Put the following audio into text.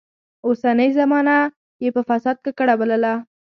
اوسنۍ زمانه يې په فساد ککړه بلله.